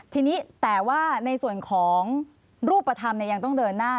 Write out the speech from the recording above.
ทีนี้แต่ว่าในส่วนของรูปธรรมยังต้องเดินหน้า